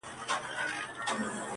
خلک زده کوي چي خبري لږې او فکر ډېر کړي-